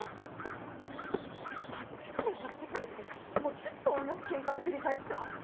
待ってくれ待ってくれってもうずっと同じケンカの繰り返しさ。